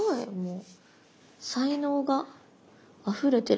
才能があふれてる。